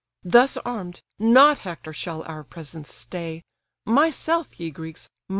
Thus arm'd, not Hector shall our presence stay; Myself, ye Greeks!